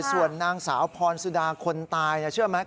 ส่วนนางสาวพรสุดาคนตายเชื่อไหม